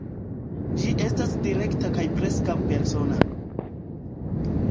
Ĝi estas direkta kaj preskaŭ persona.